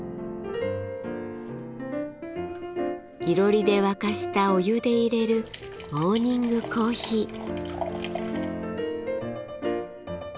いろりで沸かしたお湯で入れるモーニングコーヒー。